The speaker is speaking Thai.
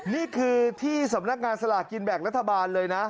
นี่คือที่สำนักงานสลากกินแบ่งรัฐบาลเลยนะ